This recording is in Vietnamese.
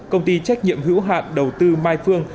công ty trách nhiệm hữu hạn đầu tư mai phương